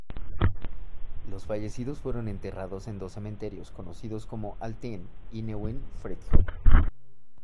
Los fallecidos fueron enterrados en dos cementerios conocidos como Alten y Neuen Friedhof.